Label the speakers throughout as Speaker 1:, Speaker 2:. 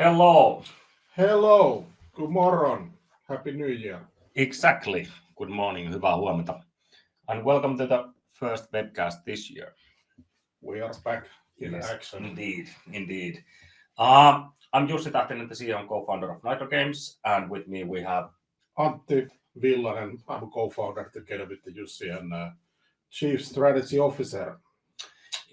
Speaker 1: Hello!
Speaker 2: Hello. Good morning. Happy New Year.
Speaker 1: Exactly. Good morning, hyvä huomenta, and welcome to the first webcast this year.
Speaker 2: We are back in action.
Speaker 1: Indeed, indeed. I'm Jussi Tähtinen, the CEO and co-founder of Nitro Games, and with me we have-
Speaker 2: Antti Villanen. I'm a co-founder together with the Jussi, and Chief Strategy Officer.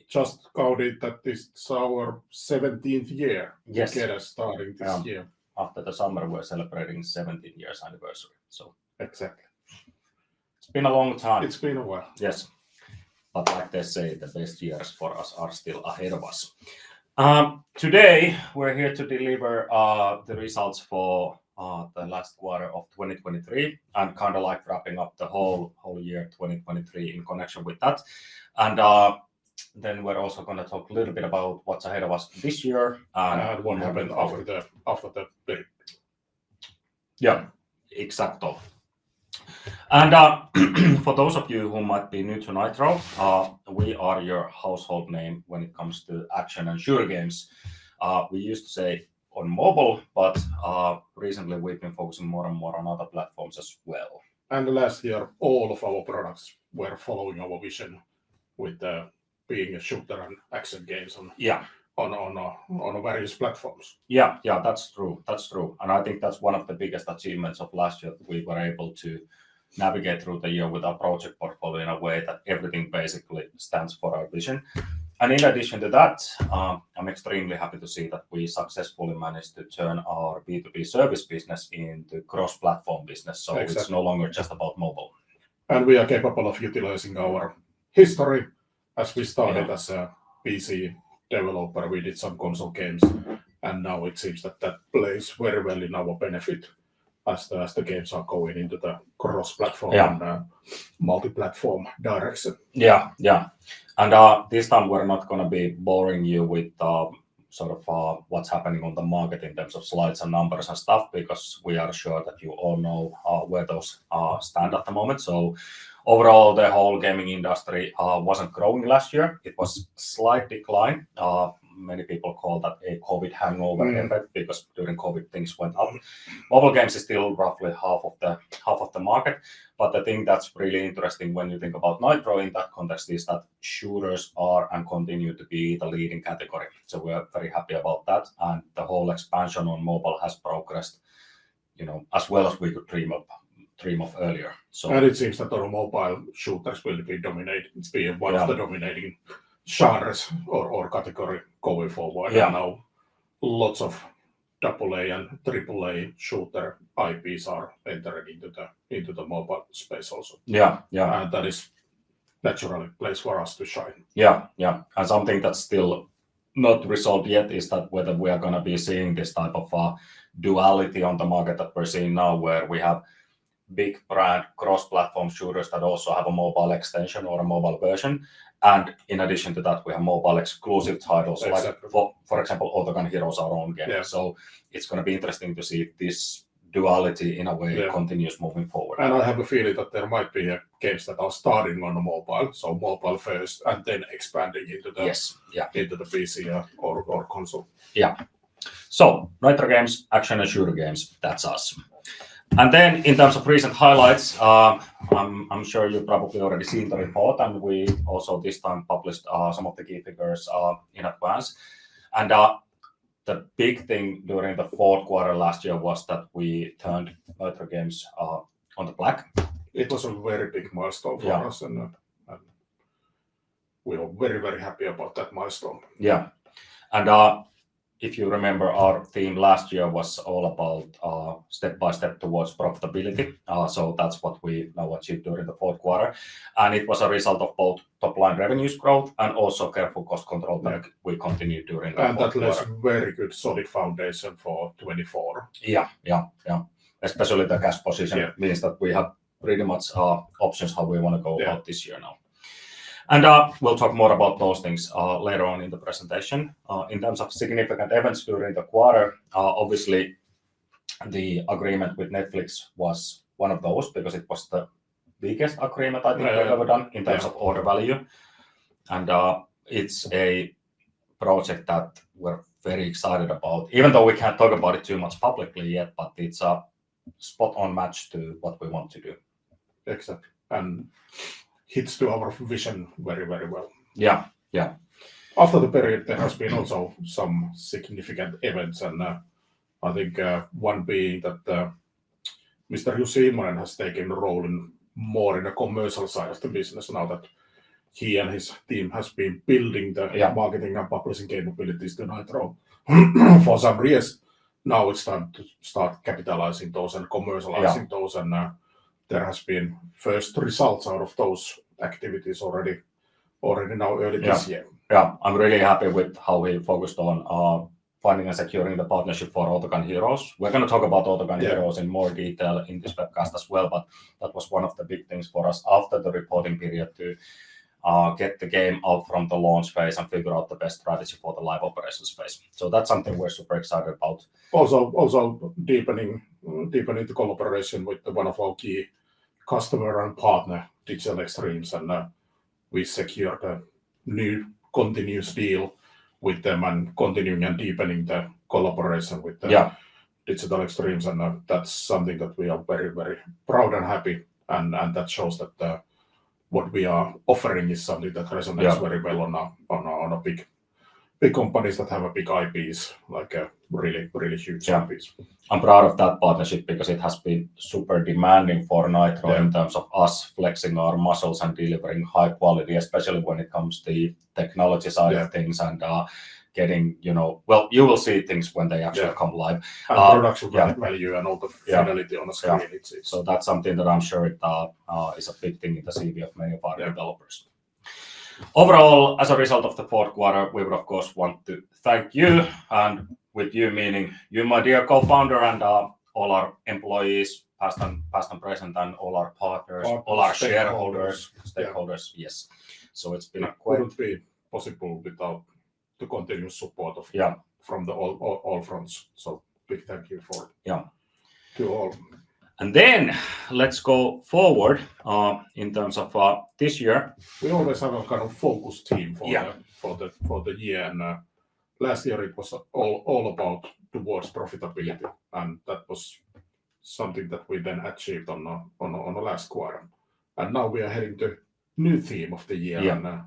Speaker 2: Just count it that this is our seventeenth year together starting this year.
Speaker 1: Yeah, after the summer, we're celebrating 17 years anniversary, so it's been a long time.
Speaker 2: It's been a while.
Speaker 1: Yes, but like they say, the best years for us are still ahead of us. Today, we're here to deliver the results for the last quarter of 2023, and kind of like wrapping up the whole year, 2023, in connection with that. Then we're also gonna talk a little bit about what's ahead of us this year.
Speaker 2: One event after the break.
Speaker 1: Yeah, exactly. And, for those of you who might be new to Nitro, we are your household name when it comes to action and shooter games. We used to say on mobile, but, recently we've been focusing more and more on other platforms as well.
Speaker 2: Last year, all of our products were following our vision with, being a shooter and action games on various platforms.
Speaker 1: Yeah, yeah, that's true. That's true. And I think that's one of the biggest achievements of last year, that we were able to navigate through the year with our project portfolio in a way that everything basically stands for our vision. And in addition to that, I'm extremely happy to see that we successfully managed to turn our B2B service business into cross-platform business.
Speaker 2: Exactly.
Speaker 1: So it's no longer just about mobile.
Speaker 2: We are capable of utilizing our history. As we started as a PC developer, we did some console games, and now it seems that plays very well in our benefit as the games are going into the cross-platform and multi-platform direction.
Speaker 1: Yeah, yeah. This time we're not gonna be boring you with sort of what's happening on the market in terms of slides and numbers and stuff, because we are sure that you all know where those stand at the moment. So overall, the whole gaming industry wasn't growing last year. It was slight decline. Many people call that a COVID hangover effect because during COVID, things went up. Mobile games is still roughly half of the market, but the thing that's really interesting when you think about Nitro in that context is that shooters are and continue to be the leading category. So we are very happy about that, and the whole expansion on mobile has progressed, you know, as well as we could dream of earlier, so-
Speaker 2: And it seems that the mobile shooters will be dominating, being one of the dominating genres or category going forward.
Speaker 1: Yeah.
Speaker 2: Now, lots of AA and AAA shooter IPs are entering into the mobile space also.
Speaker 1: Yeah, yeah.
Speaker 2: That is the natural place for us to shine.
Speaker 1: Yeah, yeah, and something that's still not resolved yet is that whether we are gonna be seeing this type of duality on the market that we're seeing now, where we have big brand cross-platform shooters that also have a mobile extension or a mobile version, and in addition to that, we have mobile exclusive title like for, for example, Autogun Heroes, our own game.
Speaker 2: Yeah.
Speaker 1: So it's gonna be interesting to see if this duality, in a way continues moving forward.
Speaker 2: I have a feeling that there might be games that are starting on the mobile, so mobile first and then expanding into the PC or console.
Speaker 1: Yeah. So Nitro Games, action and shooter games, that's us. And then in terms of recent highlights, I'm sure you've probably already seen the report, and we also this time published some of the key figures in advance. And the big thing during the fourth quarter last year was that we turned Nitro Games on the black.
Speaker 2: It was a very big milestone for us and we are very, very happy about that milestone.
Speaker 1: Yeah. And, if you remember, our theme last year was all about, step by step towards profitability. So that's what we now achieved during the fourth quarter, and it was a result of both top-line revenues growth and also careful cost control that we continued during the fourth quarter.
Speaker 2: That leaves very good, solid foundation for 2024.
Speaker 1: Yeah, yeah, yeah. Especially the cash position means that we have pretty much options how we wanna go about this year now. And we'll talk more about those things later on in the presentation. In terms of significant events during the quarter, obviously, the agreement with Netflix was one of those, because it was the biggest agreement I think we've ever done in terms of order value. It's a project that we're very excited about, even though we can't talk about it too much publicly yet, but it's a spot-on match to what we want to do.
Speaker 2: Exactly, and hits to our vision very, very well.
Speaker 1: Yeah, yeah.
Speaker 2: After the period, there has been also some significant events, and, I think, one being that, Mr. Jussi Immonen has taken a role in more in the commercial side of the business now that he and his team has been building the marketing and publishing capabilities to Nitro. For some years, now it's time to start capitalizing those and commercializing those and, there has been first results out of those activities already, already now early this year.
Speaker 1: Yeah. Yeah, I'm really happy with how we focused on, finding and securing the partnership for Autogun Heroes. We're gonna talk about Autogun Heroes in more detail in this webcast as well, but that was one of the big things for us after the reporting period, to get the game out from the launch phase and figure out the best strategy for the live operation space. So that's something we're super excited about.
Speaker 2: Also, deepening the collaboration with one of our key customer and partner, Digital Extremes, and we secured a new continuous deal with them, continuing and deepening the collaboration with them.
Speaker 1: Yeah.
Speaker 2: Digital Extremes, and that's something that we are very, very proud and happy, and that shows that what we are offering is something that resonates very well on big companies that have big IPs, like really huge champions.
Speaker 1: Yeah. I'm proud of that partnership because it has been super demanding for Nitro in terms of us flexing our muscles and delivering high quality, especially when it comes to the technology side of things and, getting, you know... Well, you will see things when they actually come live, yeah.
Speaker 2: Production value and all the fidelity on the screen. It's—
Speaker 1: That's something that I'm sure it is a big thing in the CV of many of our developers. Overall, as a result of the fourth quarter, we would of course want to thank you, and with you meaning you, my dear co-founder, and all our employees, past and present, and all our partners all our shareholders.
Speaker 2: Stakeholders.
Speaker 1: Stakeholders, yes. So it's been quite-
Speaker 2: Wouldn't be possible without the continuous support of from all fronts. So big thank you for it to all.
Speaker 1: And then let's go forward, in terms of, this year.
Speaker 2: We always have a kind of focus theme for the for the year, and last year it was all about toward profitability, and that was something that we then achieved on the last quarter. Now we are heading to new theme of the year.
Speaker 1: Yeah.
Speaker 2: And,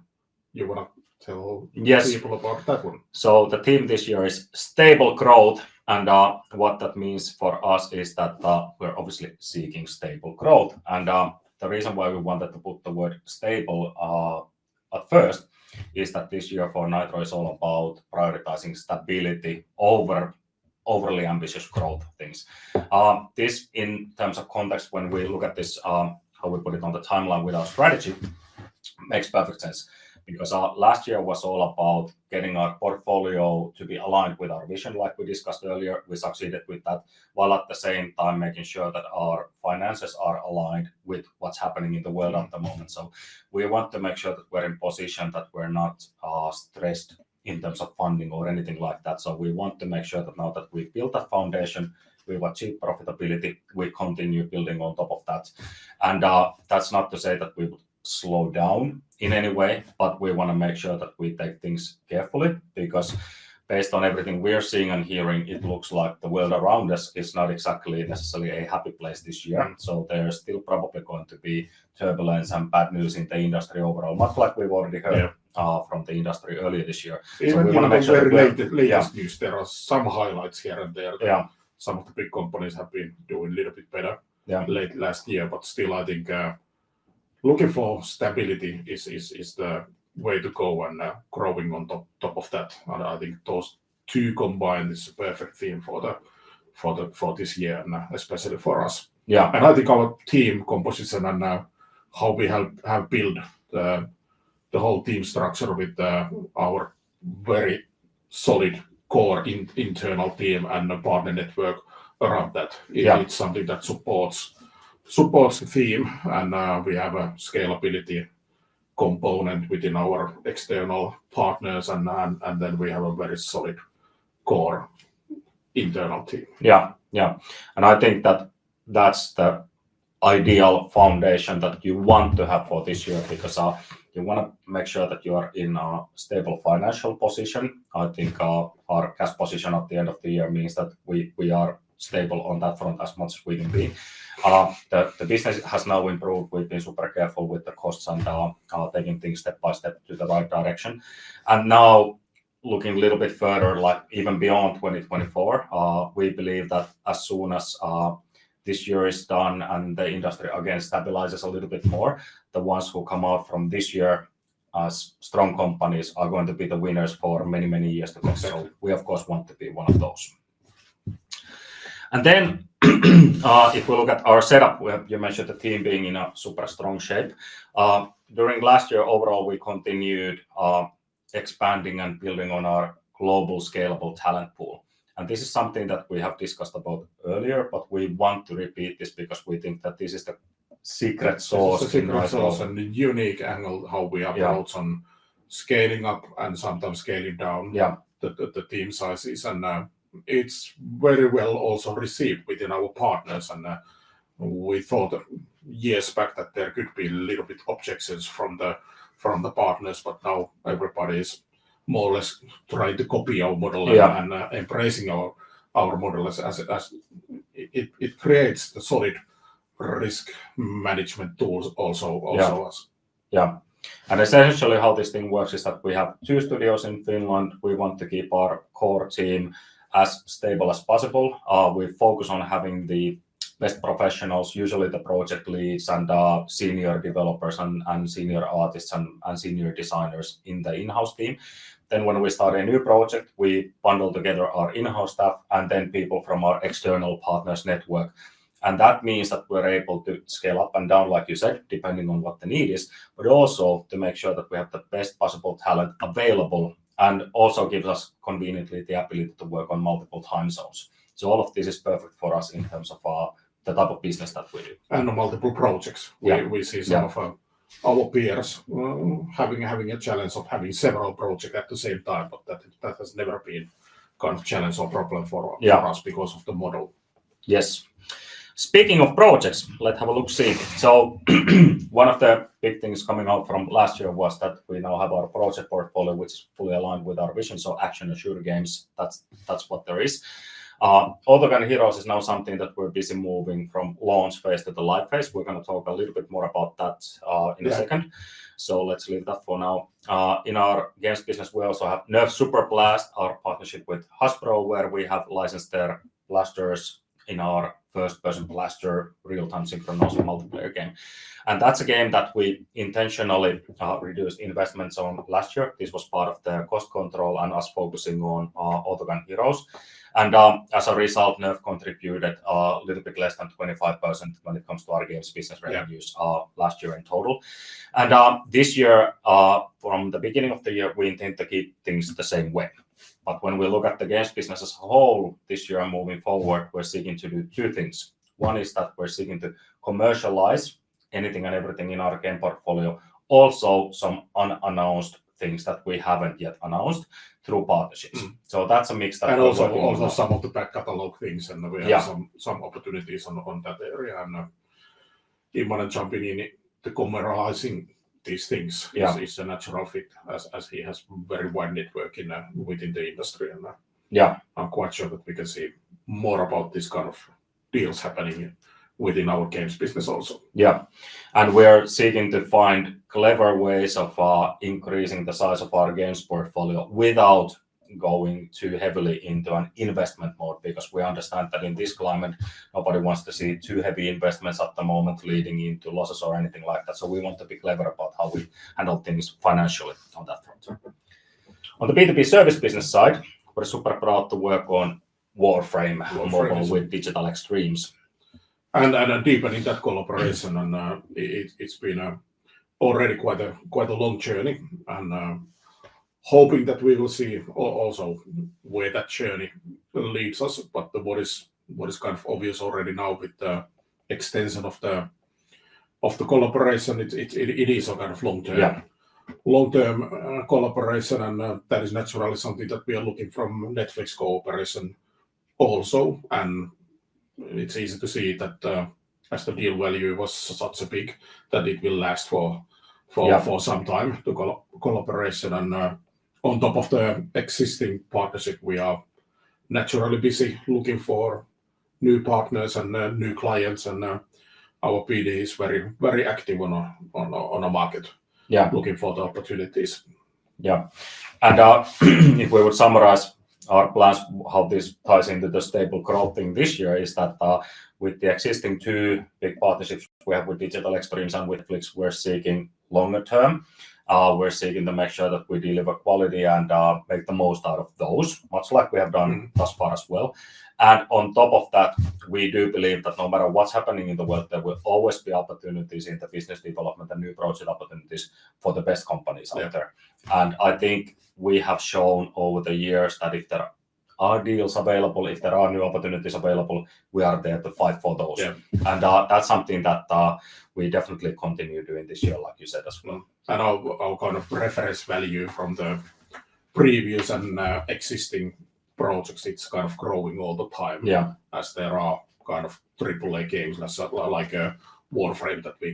Speaker 2: you wanna tell people about that one?
Speaker 1: So the theme this year is stable growth, and what that means for us is that we're obviously seeking stable growth. The reason why we wanted to put the word stable at first is that this year for Nitro is all about prioritizing stability over overly ambitious growth things. In terms of context, when we look at this, how we put it on the timeline with our strategy, makes perfect sense. Because last year was all about getting our portfolio to be aligned with our vision, like we discussed earlier. We succeeded with that, while at the same time making sure that our finances are aligned with what's happening in the world at the moment. So we want to make sure that we're in position, that we're not stressed in terms of funding or anything like that. We want to make sure that now that we've built a foundation, we've achieved profitability, we continue building on top of that. That's not to say that we will slow down in any way, but we wanna make sure that we take things carefully, because based on everything we're seeing and hearing, it looks like the world around us is not exactly necessarily a happy place this year. There's still probably going to be turbulence and bad news in the industry overall, much like we've already heard from the industry earlier this year. So we wanna make sure-
Speaker 2: Even in the relatively news, there are some highlights here and there.
Speaker 1: Yeah.
Speaker 2: Some of the big companies have been doing a little bit better late last year, but still, I think, looking for stability is the way to go and, growing on top of that. And I think those two combined is a perfect theme for this year and, especially for us.
Speaker 1: Yeah.
Speaker 2: I think our team composition and how we have built the whole team structure with our very solid core internal team and the partner network around that it's something that supports the theme. And we have a scalability component within our external partners, and then we have a very solid core internal team.
Speaker 1: Yeah, yeah. And I think that that's the ideal foundation that you want to have for this year, because you wanna make sure that you are in a stable financial position. I think our, our cash position at the end of the year means that we, we are stable on that front as much as we can be.
Speaker 2: Yeah.
Speaker 1: The business has now improved. We've been super careful with the costs and taking things step by step to the right direction. Now looking a little bit further, like even beyond 2024, we believe that as soon as this year is done and the industry again stabilizes a little bit more, the ones who come out from this year as strong companies are going to be the winners for many, many years to come.
Speaker 2: Absolutely.
Speaker 1: So we, of course, want to be one of those. And then, if we look at our setup, we have... You mentioned the team being in a super strong shape. During last year overall, we continued expanding and building on our global scalable talent pool. And this is something that we have discussed about earlier, but we want to repeat this because we think that this is the secret sauce in Nitro.
Speaker 2: The secret sauce and the unique angle how we approach on scaling up and sometimes scaling down the team sizes. And, it's very well also received within our partners. And, we thought years back that there could be a little bit objections from the partners, but now everybody is more or less trying to copy our model and embracing our model as it creates a solid risk management tools also us.
Speaker 1: Yeah. Essentially, how this thing works is that we have two studios in Finland. We want to keep our core team as stable as possible. We focus on having the best professionals, usually the project leads and senior developers and senior artists and senior designers in the in-house team. Then when we start a new project, we bundle together our in-house staff and then people from our external partners network, and that means that we're able to scale up and down, like you said, depending on what the need is, but also to make sure that we have the best possible talent available, and also gives us, conveniently, the ability to work on multiple time zones. So all of this is perfect for us in terms of the type of business that we do.
Speaker 2: The multiple projects.
Speaker 1: Yeah.
Speaker 2: We see some of our peers having a challenge of having several projects at the same time, but that has never been a challenge or problem for us because of the model.
Speaker 1: Yes. Speaking of projects, let's have a look-see. So, one of the big things coming out from last year was that we now have our project portfolio, which is fully aligned with our vision. So action and shooter games, that's what there is. Autogun Heroes is now something that we're busy moving from launch phase to the live phase. We're gonna talk a little bit more about that in a second.
Speaker 2: Yeah.
Speaker 1: So let's leave that for now. In our games business, we also have Nerf Superblast, our partnership with Hasbro, where we have licensed their blasters in our first-person blaster, real-time synchronous multiplayer game. And that's a game that we intentionally reduced investments on last year. This was part of the cost control and us focusing on Autogun Heroes. And, as a result, Nerf contributed a little bit less than 25% when it comes to our games business revenues last year in total. And, this year, from the beginning of the year, we intend to keep things the same way. But when we look at the games business as a whole this year and moving forward, we're seeking to do two things. One is that we're seeking to commercialize anything and everything in our game portfolio. Also, some unannounced things that we haven't yet announced through partnerships. So that's a mix that-
Speaker 2: Also, also some of the back catalog things and we have some opportunities on that area. And even in jumping in to commercializing these things is, is a natural fit, as, as he has very wide network in, within the industry. And, I'm quite sure that we can see more about this kind of deals happening within our games business also.
Speaker 1: Yeah. We are seeking to find clever ways of increasing the size of our games portfolio without going too heavily into an investment mode, because we understand that in this climate, nobody wants to see too heavy investments at the moment leading into losses or anything like that. We want to be clever about how we handle things financially on that front.
Speaker 2: Mm-hmm.
Speaker 1: On the B2B service business side, we're super proud to work on Warframe with Digital Extremes.
Speaker 2: Deepening that collaboration, it's been already quite a long journey. Hoping that we will see also where that journey leads us. But what is kind of obvious already now with the extension of the collaboration, it is a kind of long-term, collaboration, and, that is naturally something that we are looking from Netflix cooperation also. And it's easy to see that, as the deal value was such a big, that it will last for, some time, the collaboration. And, on top of the existing partnership, we are naturally busy looking for new partners and, new clients. And, our BD is very, very active on the market looking for the opportunities.
Speaker 1: Yeah. And, if we would summarize our plans, how this ties into the stable growth thing this year is that, with the existing two big partnerships we have with Digital Extremes and with Netflix, we're seeking longer term. We're seeking to make sure that we deliver quality and, make the most out of those, much like we have done thus far as well. And on top of that, we do believe that no matter what's happening in the world, there will always be opportunities in the business development and new project opportunities for the best companies out there.
Speaker 2: Yeah.
Speaker 1: I think we have shown over the years that if there are deals available, if there are new opportunities available, we are there to fight for those.
Speaker 2: Yeah.
Speaker 1: That's something that we definitely continue doing this year, like you said as well.
Speaker 2: Our kind of reference value from the previous and existing projects, it's kind of growing all the time as there are kind of Triple A games, like, Warframe, that we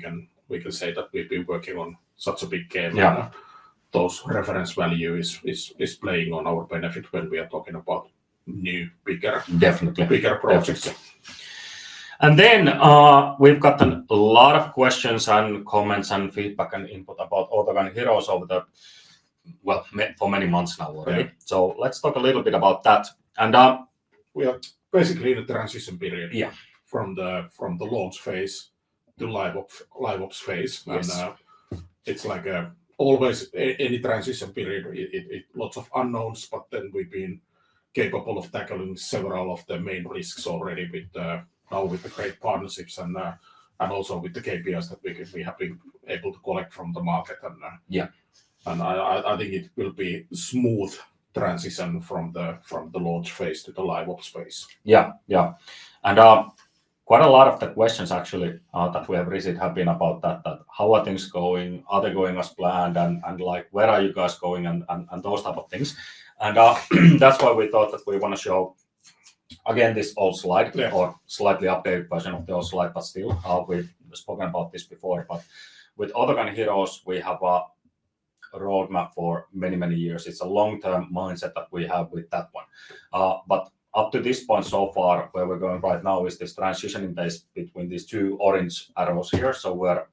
Speaker 2: can say that we've been working on such a big game.
Speaker 1: Yeah.
Speaker 2: Those reference value is playing on our benefit when we are talking about new, bigger projects.
Speaker 1: Yeah. And then, we've gotten a lot of questions and comments and feedback and input about Autogun Heroes over the, well, for many months now already.
Speaker 2: Yeah.
Speaker 1: So let's talk a little bit about that.
Speaker 2: We are basically in a transition period from the launch phase to live ops phase.
Speaker 1: Yes.
Speaker 2: And, it's like, always any transition period, it, lots of unknowns, but then we've been capable of tackling several of the main risks already with now with the great partnerships and and also with the KPIs that we have been able to collect from the market and I think it will be smooth transition from the launch phase to the live ops phase.
Speaker 1: Yeah, yeah. And quite a lot of the questions, actually, that we have received have been about that, how are things going? Are they going as planned? And, like, where are you guys going and those type of things. And that's why we thought that we wanna show again, this old slide or slightly updated version of the old slide, but still, we've spoken about this before. But with Autogun Heroes, we have a roadmap for many, many years. It's a long-term mindset that we have with that one. But up to this point so far, where we're going right now is this transitioning phase between these two orange arrows here. So we're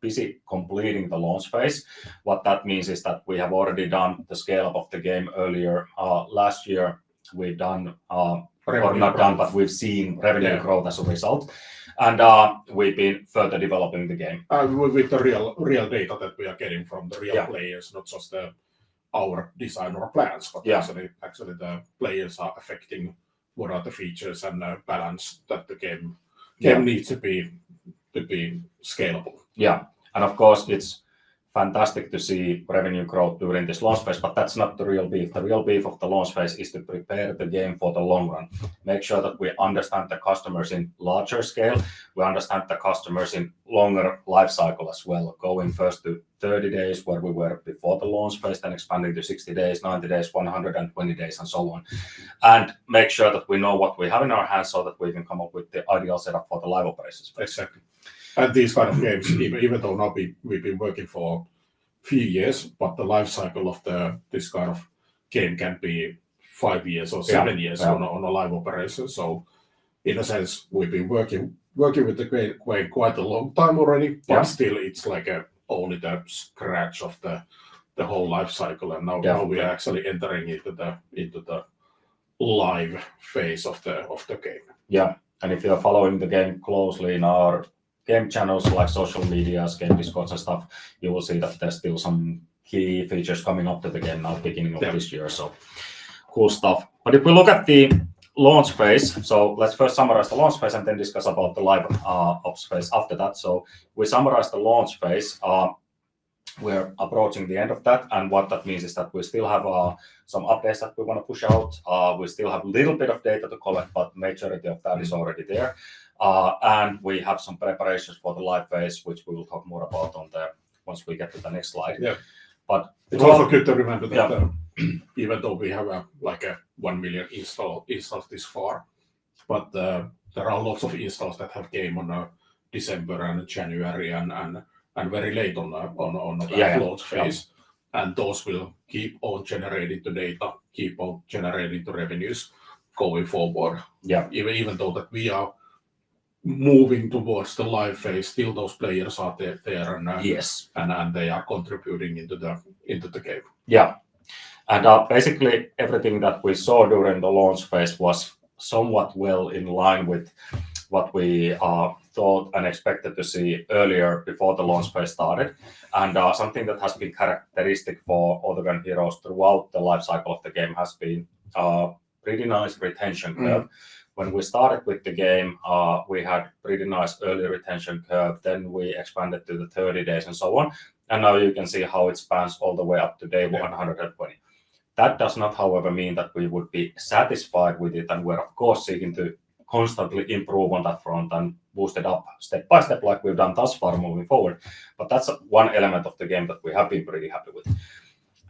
Speaker 1: busy completing the launch phase. What that means is that we have already done the scale-up of the game earlier, last year. We've done, or not done, but we've seen revenue growth as a result. We've been further developing the game.
Speaker 2: With the real, real data that we are getting from the real players not just, our design or plans but actually, the players are affecting what are the features and the balance that the game game needs to be scalable.
Speaker 1: Yeah. And of course, it's fantastic to see revenue growth during this launch phase, but that's not the real beef. The real beef of the launch phase is to prepare the game for the long run, make sure that we understand the customers in larger scale. We understand the customers in longer life cycle as well, going first to 30 days where we were before the launch phase, then expanding to 60 days, 90 days, 120 days, and so on. And make sure that we know what we have in our hands so that we can come up with the ideal setup for the live operations.
Speaker 2: Exactly. These kind of games, even though now we've been working for few years, but the life cycle of this kind of game can be 5 years or 7 yearson a live operation. So in a sense, we've been working with the game quite a long time already but still, it's like only a scratch of the whole life cycle.
Speaker 1: Yeah.
Speaker 2: And now we are actually entering into the live phase of the game.
Speaker 1: Yeah, and if you are following the game closely in our game channels, like social media, game Discords, and stuff, you will see that there's still some key features coming up to the game now, beginning of this year.
Speaker 2: Yeah.
Speaker 1: So cool stuff. But if we look at the launch phase, so let's first summarize the launch phase and then discuss about the live ops phase after that. So we summarize the launch phase. We're approaching the end of that, and what that means is that we still have some updates that we wanna push out. We still have little bit of data to collect, but majority of that is already there. And we have some preparations for the live phase, which we will talk more about on the... once we get to the next slide.
Speaker 2: Yeah.
Speaker 1: But-
Speaker 2: It's also good to remember that even though we have a, like, a 1 million installs thus far, but there are lots of installs that have came on December and January and very late on the launch phase.
Speaker 1: Yeah. Yeah.
Speaker 2: Those will keep on generating the data, keep on generating the revenues going forward.
Speaker 1: Yeah.
Speaker 2: Even though that we are moving towards the live phase, still, those players are there and they are contributing into the game.
Speaker 1: Yeah. And, basically, everything that we saw during the launch phase was somewhat well in line with what we thought and expected to see earlier before the launch phase started. And, something that has been characteristic for Autogun Heroes throughout the life cycle of the game has been, pretty nice retention curve.
Speaker 2: Mm.
Speaker 1: When we started with the game, we had pretty nice early retention curve, then we expanded to the 30 days, and so on. Now you can see how it spans all the way up to day 120.
Speaker 2: Yeah.
Speaker 1: That does not, however, mean that we would be satisfied with it, and we're of course seeking to constantly improve on that front and boost it up step by step like we've done thus far moving forward. But that's one element of the game that we have been pretty happy with.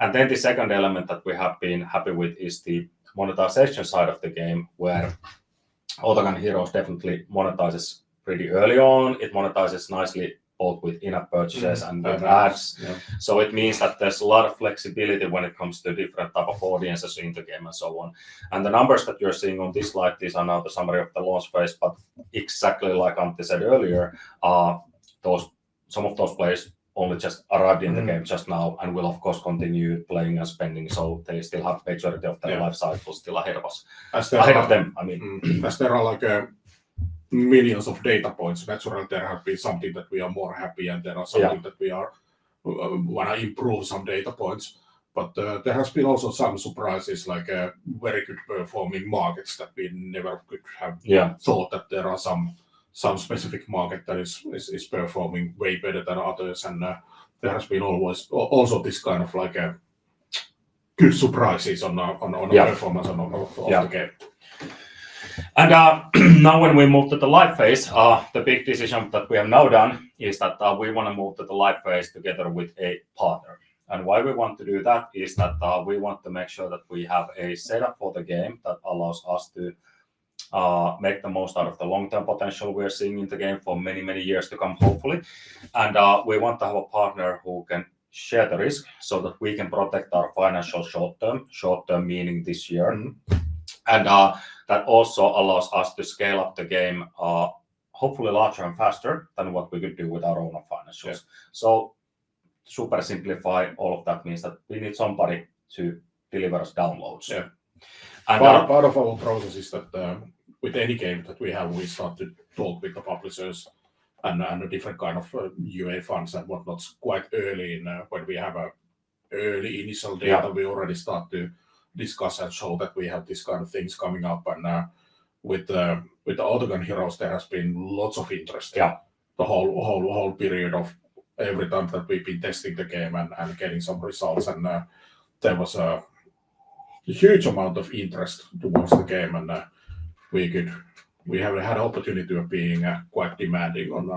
Speaker 1: And then the second element that we have been happy with is the monetization side of the game, where Autogun Heroes definitely monetizes pretty early on. It monetizes nicely, both with in-app purchases and with ads.
Speaker 2: Mm-hmm. Mm-hmm. Yeah.
Speaker 1: So it means that there's a lot of flexibility when it comes to different type of audiences in the game, and so on. And the numbers that you're seeing on this slide, these are now the summary of the launch phase, but exactly like Antti said earlier, some of those players only just arrived in the game just now and will of course continue playing and spending, so they still have majority of their life cycle still ahead of us.
Speaker 2: As there are-
Speaker 1: Ahead of them, I mean.
Speaker 2: As there are like, millions of data points, naturally, there have been something that we are more happy, and there are some that we are wanna improve some data points. But, there has been also some surprises, like, very good performing markets that we never could have thought that there are some specific market that is performing way better than others. And there has been always also this kind of like a good surprises on the performance and on the game.
Speaker 1: Yeah. And, now when we move to the live phase, the big decision that we have now done is that, we wanna move to the live phase together with a partner. And why we want to do that is that, we want to make sure that we have a setup for the game that allows us to, make the most out of the long-term potential we are seeing in the game for many, many years to come, hopefully. And, we want to have a partner who can share the risk so that we can protect our financial short term, short term meaning this year.
Speaker 2: Mm-hmm.
Speaker 1: That also allows us to scale up the game, hopefully larger and faster than what we could do with our own financials.
Speaker 2: Yeah.
Speaker 1: Super simplify all of that means that we need somebody to deliver us downloads.
Speaker 2: Yeah.
Speaker 1: And, uh-
Speaker 2: Part of our process is that, with any game that we have, we start to talk with the publishers and the different kind of UA funds and whatnot, quite early in, when we have an early initial data we already start to discuss and show that we have these kind of things coming up. And, with the Autogun Heroes, there has been lots of interest the whole period of every time that we've been testing the game and getting some results. And there was a huge amount of interest towards the game, and we have had opportunity of being quite demanding on,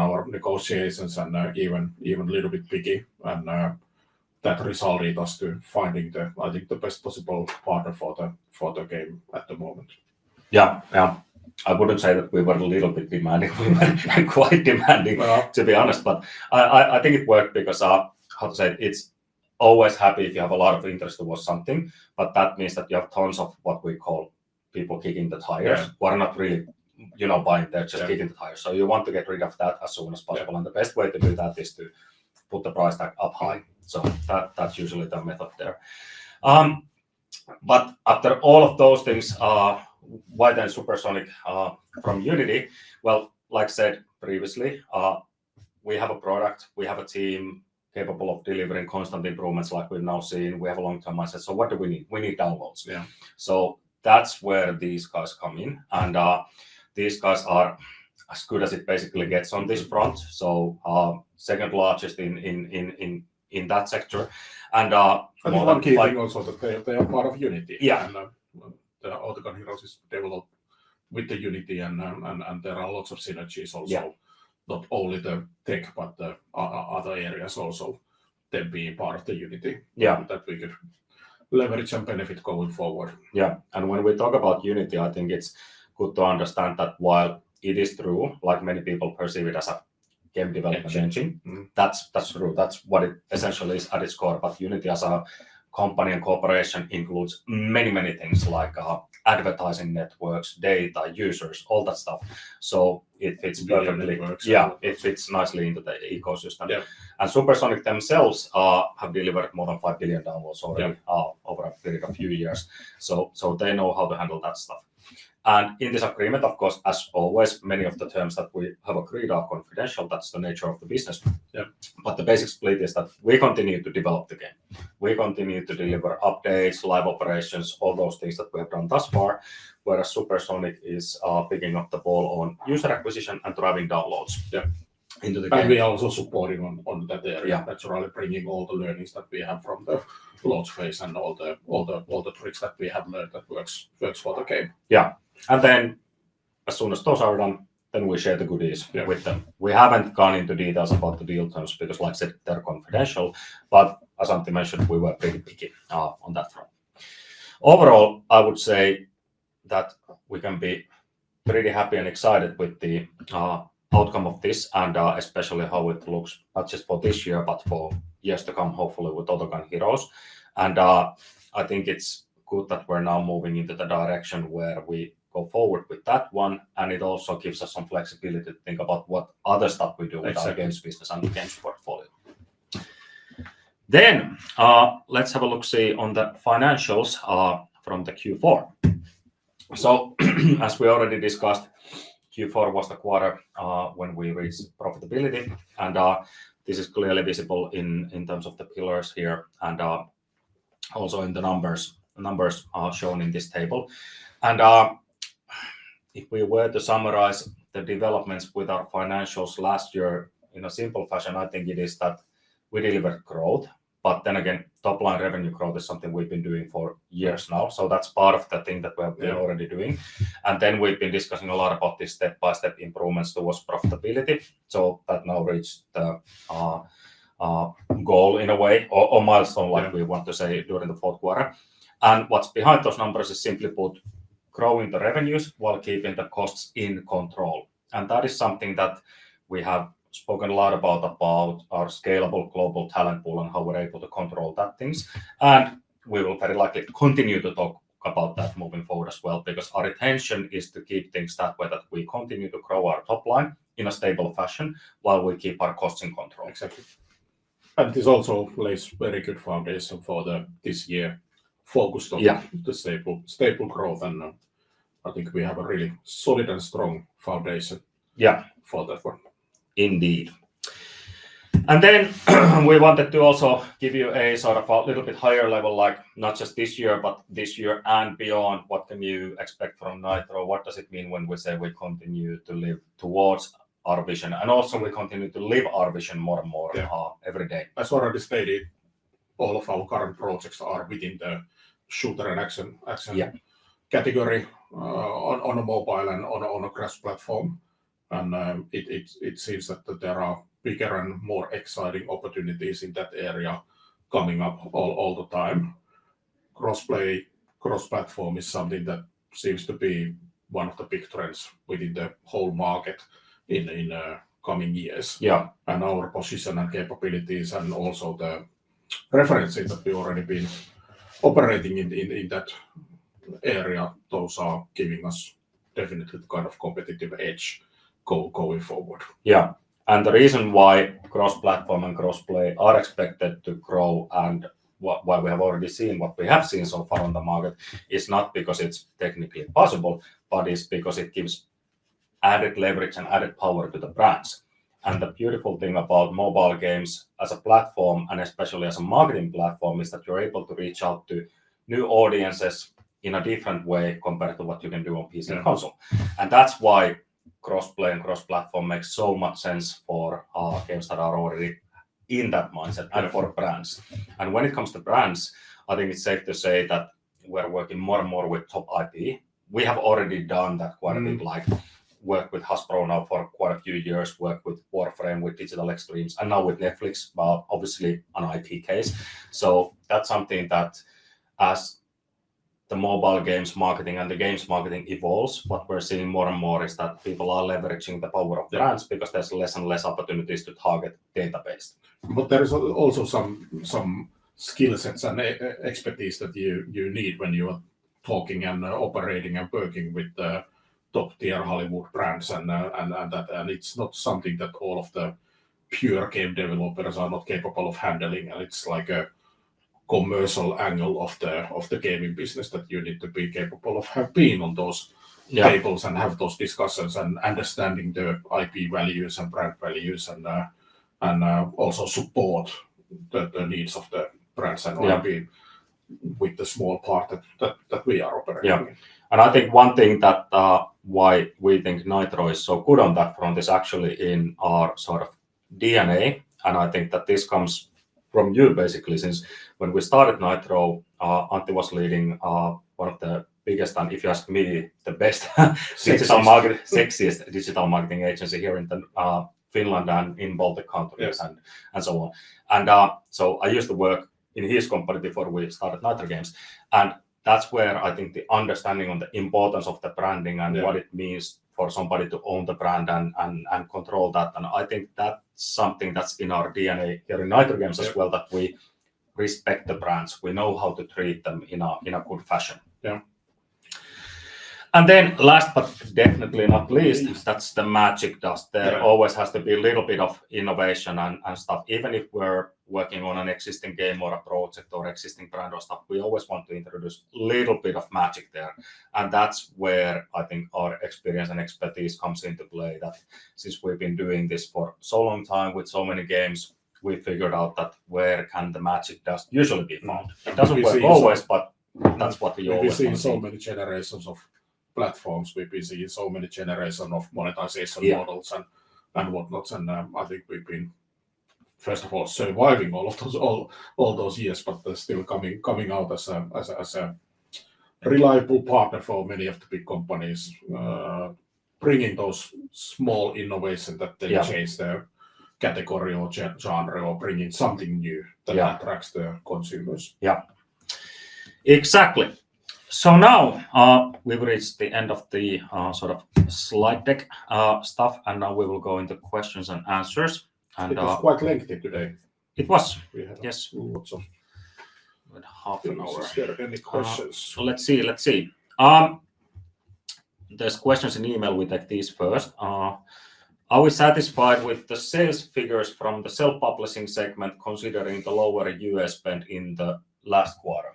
Speaker 2: our negotiations and, even, even a little bit picky. And, that resulted us to finding the, I think, the best possible partner for the, for the game at the moment.
Speaker 1: Yeah. Yeah. I wouldn't say that we were a little bit demanding, quite demanding to be honest, but I think it worked because, how to say? It's always happy if you have a lot of interest towards something, but that means that you have tons of what we call people kicking the tires who are not really, you know, buying.
Speaker 2: Yeah.
Speaker 1: They're just kicking the tires, so you want to get rid of that as soon as possible.
Speaker 2: Yeah.
Speaker 1: The best way to do that is to put the price tag up high. So that's usually the method there. But after all of those things, why then Supersonic from Unity? Well, like I said previously, we have a product, we have a team capable of delivering constant improvements like we've now seen. We have a long-term asset, so what do we need? We need downloads.
Speaker 2: Yeah.
Speaker 1: So that's where these guys come in. And, these guys are as good as it basically gets on this front. So, second largest in that sector. And, one-
Speaker 2: One key thing also that they are part of Unity.
Speaker 1: Yeah.
Speaker 2: Well, the Autogun Heroes is developed with the Unity, and there are lots of synergies also not only the tech, but the other areas also, them being part of the Unity that we could leverage and benefit going forward.
Speaker 1: Yeah, and when we talk about Unity, I think it's good to understand that while it is true, like many people perceive it, as a game development mm-hmm, that's, that's true. That's what it essentially is at its core. But Unity as a company and corporation includes many, many things like, advertising networks, data, users, all that stuff. So it fits perfectly-
Speaker 2: Very well.
Speaker 1: Yeah, it fits nicely into the ecosystem.
Speaker 2: Yeah.
Speaker 1: Supersonic themselves have delivered more than 5 billion downloads already.
Speaker 2: Yeah
Speaker 1: Over a very few years. So they know how to handle that stuff. And in this agreement, of course, as always, many of the terms that we have agreed are confidential. That's the nature of the business.
Speaker 2: Yeah.
Speaker 1: But the basic split is that we continue to develop the game. We continue to deliver updates, live operations, all those things that we have done thus far, whereas Supersonic is picking up the ball on user acquisition and driving downloads into the game.
Speaker 2: We are also supporting on that area.
Speaker 1: Yeah.
Speaker 2: That's really bringing all the learnings that we have from the launch phase and all the tricks that we have learned that works for the game.
Speaker 1: Yeah, and then as soon as those are done, then we share the goodie with them. We haven't gone into details about the deal terms because, like I said, they're confidential, but as Antti mentioned, we were pretty picky on that front. Overall, I would say that we can be pretty happy and excited with the outcome of this, and especially how it looks not just for this year, but for years to come, hopefully with Autogun Heroes. I think it's good that we're now moving into the direction where we go forward with that one, and it also gives us some flexibility to think about what other stuff we do with our games business and the games portfolio. Then, let's have a look, say, on the financials from the Q4. So as we already discussed, Q4 was the quarter when we reached profitability, and this is clearly visible in terms of the pillars here and also in the numbers. The numbers are shown in this table. And if we were to summarize the developments with our financials last year in a simple fashion, I think it is that we delivered growth. But then again, top-line revenue growth is something we've been doing for years now, so that's part of the thing that we are already doing.
Speaker 2: Yeah.
Speaker 1: We've been discussing a lot about this step-by-step improvements towards profitability. So that now reached the goal in a way or mileston like we want to say, during the fourth quarter. What's behind those numbers is, simply put, growing the revenues while keeping the costs in control, and that is something that we have spoken a lot about, about our scalable global talent pool and how we're able to control those things. We will very likely continue to talk about that moving forward as well, because our intention is to keep things that way, that we continue to grow our top line in a stable fashion, while we keep our costs in control.
Speaker 2: Exactly. This also lays very good foundation for this year, focused on the stable, stable growth, and I think we have a really solid and strong foundation for that one.
Speaker 1: Indeed. And then, we wanted to also give you a sort of a little bit higher level, like not just this year, but this year and beyond. What can you expect from Nitro? What does it mean when we say we continue to live towards our vision, and also we continue to live our vision more and more every day?
Speaker 2: As already stated, all of our current projects are within the shooter and action.
Speaker 1: Yeah...
Speaker 2: category on a mobile and on a cross-platform. It seems that there are bigger and more exciting opportunities in that area coming up all the time. Cross-play, cross-platform is something that seems to be one of the big trends within the whole market in coming years.
Speaker 1: Yeah.
Speaker 2: Our position and capabilities and also the references that we already been operating in that area, those are giving us definitely the kind of competitive edge going forward.
Speaker 1: Yeah, and the reason why cross-platform and cross-play are expected to grow, and why we have already seen what we have seen so far in the market, is not because it's technically possible, but it's because it gives added leverage and added power to the brands. The beautiful thing about mobile games as a platform, and especially as a marketing platform, is that you're able to reach out to new audiences in a different way compared to what you can do on PC and console.
Speaker 2: Mm-hmm.
Speaker 1: And that's why cross-play and cross-platform makes so much sense for our games that are already in that mind and for brands. When it comes to brands, I think it's safe to say that we're working more and more with top IP. We have already done that quite a bit.
Speaker 2: Mm-hmm.
Speaker 1: Like, work with Hasbro now for quite a few years, worked with Warframe, with Digital Extremes, and now with Netflix, but obviously on IP case. So that's something that as the mobile games marketing and the games marketing evolves, what we're seeing more and more is that people are leveraging the power of brands because there's less and less opportunities to target database.
Speaker 2: But there is also some skill sets and expertise that you need when you are talking and operating and working with the top-tier Hollywood brands and that. And it's not something that all of the pure game developers are not capable of handling, and it's like a commercial angle of the gaming business that you need to be capable of have been on those tables and have those discussions and understanding the IP values and brand values, and also support the needs of the brands and IP with the small part that we are operating in.
Speaker 1: Yeah. And I think one thing that why we think Nitro is so good on that front is actually in our sort of DNA, and I think that this comes from you basically, since when we started Nitro, Antti was leading one of the biggest, and if you ask me, the best.
Speaker 2: Digital marketing.
Speaker 1: Sexiest digital marketing agency here in, Finland and in Baltic countries and so on. So I used to work in his company before we started Nitro Games, and that's where I think the understanding on the importance of the branding and what it means for somebody to own the brand and control that. And I think that's something that's in our DNA here in Nitro Games as we that we respect the brands. We know how to treat them in a, in a good fashion.
Speaker 2: Yeah.
Speaker 1: Then, last but definitely not least, that's the magic dust.
Speaker 2: Yeah.
Speaker 1: There always has to be a little bit of innovation and stuff. Even if we're working on an existing game or a project or existing brand or stuff, we always want to introduce little bit of magic there, and that's where I think our experience and expertise comes into play. That since we've been doing this for so long time with so many games, we figured out that where can the magic dust usually be found?
Speaker 2: Mm.
Speaker 1: It doesn't work always, but that's what we always see.
Speaker 2: We've been seeing so many generations of platforms. We've been seeing so many generation of monetization models and whatnot. I think we've been, first of all, surviving all of those years, but still coming out as a reliable partner for many of the big companies. Bringing those small innovation that they change their category or genre, or bringing something new that attracts the consumers.
Speaker 1: Yeah. Exactly. So now, we've reached the end of the sort of slide deck stuff, and now we will go into questions and answers. And-
Speaker 2: It was quite lengthy today.
Speaker 1: It was.
Speaker 2: We had-
Speaker 1: Yes...
Speaker 2: lots of
Speaker 1: About half an hour.
Speaker 2: Is there any questions?
Speaker 1: Let's see, let's see. There's questions in email. We take these first. Are we satisfied with the sales figures from the self-publishing segment, considering the lower U.S. spend in the last quarter?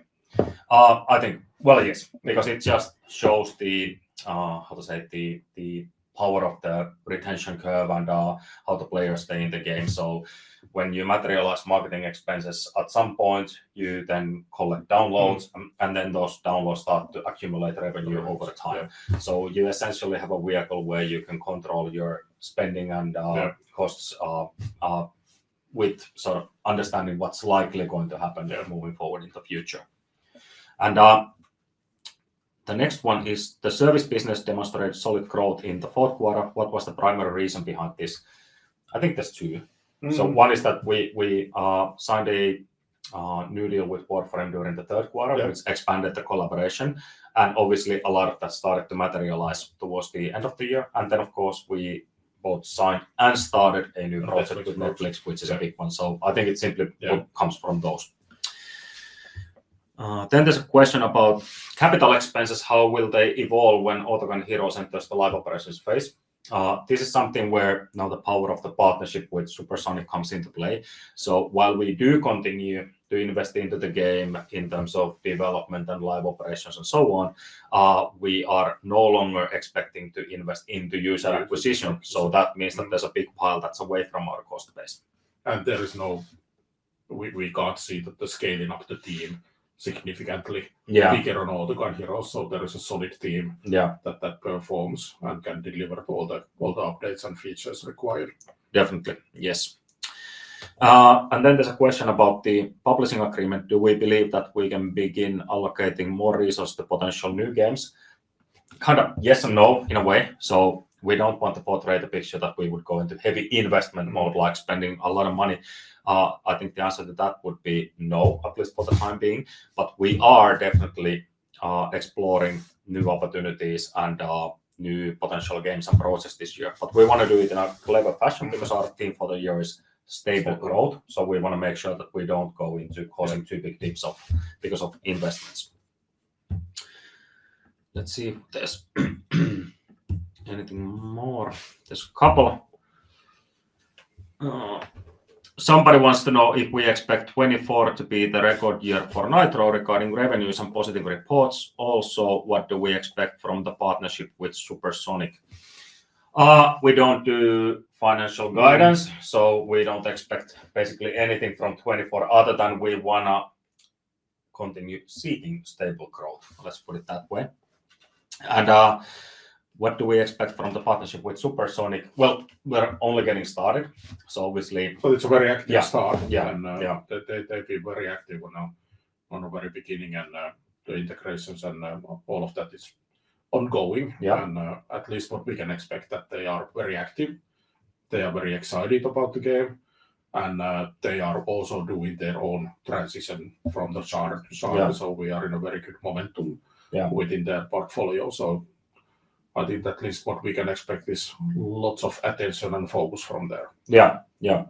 Speaker 1: I think, well, yes, because it just shows the, how to say it, the power of the retention curve and how the players stay in the game. So when you materialize marketing expenses, at some point, you then collect downloads and then those downloads start to accumulate revenue over time.
Speaker 2: Yeah.
Speaker 1: You essentially have a vehicle where you can control your spending and, costs, with sort of understanding what's likely going to happen moving forward in the future. The next one is the service business demonstrated solid growth in the fourth quarter. What was the primary reason behind this? I think that's two.
Speaker 2: Mm.
Speaker 1: So one is that we signed a new deal with Warframe during the third quarter which expanded the collaboration, and obviously, a lot of that started to materialize toward the end of the year. And then, of course, we both signed and started a new project with Netflix, which is a big one. So I think it simply comes from those. Then there's a question about capital expenses. How will they evolve when Autogun Heroes enters the live operations phase? This is something where now the power of the partnership with Supersonic comes into play. So while we do continue to invest into the game in terms of development and live operations and so on, we are no longer expecting to invest in the user acquisition.
Speaker 2: Yeah.
Speaker 1: That means that there's a big pile that's away from our cost base.
Speaker 2: And we can't see that the scaling up the team significantly bigger on Autogun Heroes, so there is a solid team that performs and can deliver all the updates and features required.
Speaker 1: Definitely, yes. And then there's a question about the publishing agreement. Do we believe that we can begin allocating more resource to potential new games? Kind of yes and no in a way. So we don't want to portray the picture that we would go into heavy investment mode, like spending a lot of money. I think the answer to that would be no, at least for the time being. But we are definitely exploring new opportunities and new potential games and projects this year. But we want to do it in a clever fashion because our theme for the year is stable growth.
Speaker 2: Mm.
Speaker 1: So we wanna make sure that we don't go into causing too big dips because of investments. Let's see if there's anything more. There's a couple. Somebody wants to know if we expect 2024 to be the record year for Nitro regarding revenues and positive reports. Also, what do we expect from the partnership with Supersonic? We don't do financial guidance.
Speaker 2: Mm
Speaker 1: So we don't expect basically anything from 2024 other than we wanna continue seeing stable growth, let's put it that way. And, what do we expect from the partnership with Supersonic? Well, we're only getting started, so obviously-
Speaker 2: But it's a very active start.
Speaker 1: Yeah, yeah, yeah.
Speaker 2: They've been very active from the very beginning, and the integrations and all of that is ongoing.
Speaker 1: Yeah.
Speaker 2: At least what we can expect that they are very active, they are very excited about the game, and they are also doing their own transition from the chart to chart.
Speaker 1: Yeah.
Speaker 2: We are in a very good momentum within their portfolio. So I think at least what we can expect is lots of attention and focus from there.
Speaker 1: Yeah, yeah.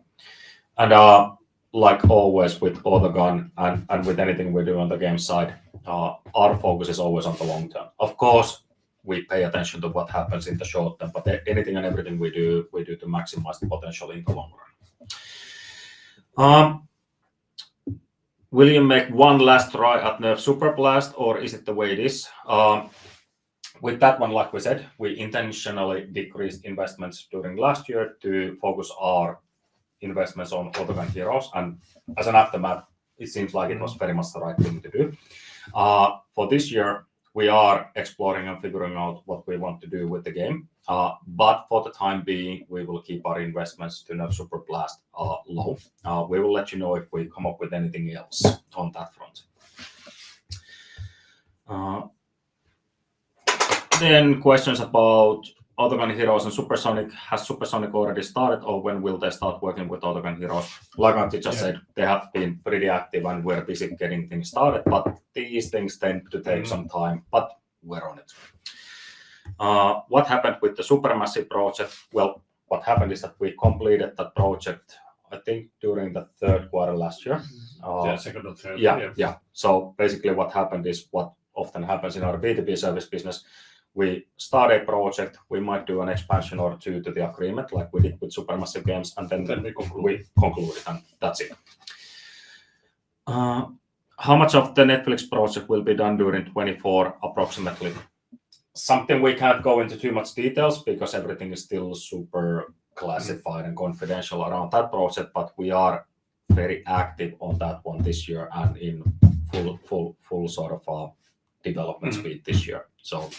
Speaker 1: Like always with Autogun and with anything we do on the game side, our focus is always on the long term. Of course, we pay attention to what happens in the short term, but anything and everything we do, we do to maximize the potential in the long run. Will you make one last try at Nerf Super Blast, or is it the way it is? With that one, like we said, we intentionally decreased investments during last year to focus our investments on Autogun Heroes, and as an aftermath it seems like it was very much the right thing to do. For this year, we are exploring and figuring out what we want to do with the game. But for the time being, we will keep our investments to Nerf Super Blast low. We will let you know if we come up with anything else on that front. Then questions about other Autogun Heroes and Supersonic. Has Supersonic already started, or when will they start working with Autogun Heroes? Like Antti just said, yeah, they have been pretty active, and we're busy getting things started, but these things tend to take some time, but we're on it. What happened with the Supermassive project? Well, what happened is that we completed the project, I think, during the third quarter last year. Yeah, second or third. Yeah, yeah. So basically what happened is what often happens in our B2B service business. We start a project, we might do an expansion or two to the agreement, like we did with Supermassive Games, and then we conclude it, and that's it. How much of the Netflix project will be done during 2024, approximately? Something we can't go into too much details because everything is still super classified and confidential around that project, but we are very active on that one this year, and in full, full, full sort of development speed this year. So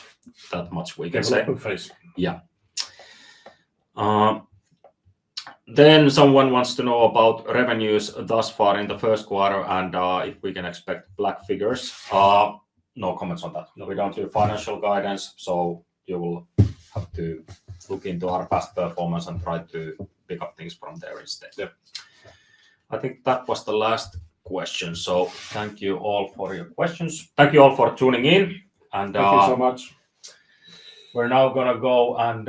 Speaker 1: that much we can say. Development phase. Yeah. Then someone wants to know about revenues thus far in the first quarter, and if we can expect black figures. No comments on that. No. We don't do financial guidance, so you will have to look into our past performance and try to pick up things from there instead. Yeah. I think that was the last question, so thank you all for your questions. Thank you all for tuning in, and thank you so much... We're now gonna go and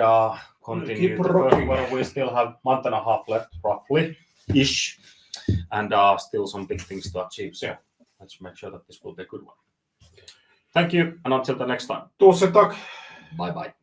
Speaker 1: keep working. We still have month and a half left, roughly-ish, and still some big things to achieve. Yeah. Let's make sure that this will be a good one. Okay. Thank you, and until the next time. Bye-bye.